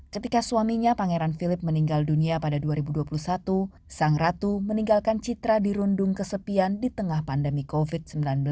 ketika suaminya pangeran philip meninggal dunia pada dua ribu dua puluh satu sang ratu meninggalkan citra dirundung kesepian di tengah pandemi covid sembilan belas